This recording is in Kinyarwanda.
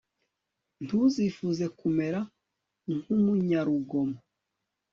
ntuzifuze kumera nk'umunyarugomo